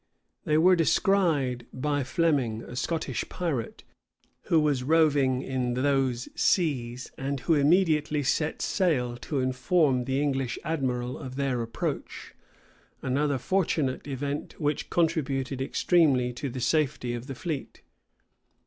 They were descried by Fleming, a Scottish pirate, who was roving in those seas, and who immediately set sail, to inform the English admiral of their approach;[*] another fortunate event, which contributed extremely to the safety of the fleet.